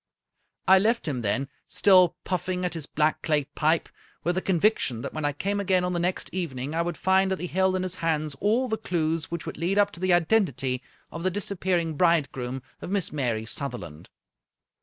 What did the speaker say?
I left him then, still puffing at his black clay pipe, with the conviction that when I came again on the next even ing I would find that he held in his hands all the clews which would lead up to the identity of the disappearing bridegroom of Miss Mary Sutherland.